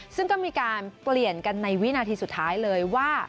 ซึ่งก็มีการเปลี่ยนกันในวินาทีสุดท้ายเลยว่า